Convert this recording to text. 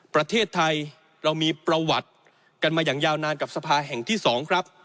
ประเทศไทยเรามีประวัติกันมาอย่างยาวนานกับสภาแห่งที่๒ครับ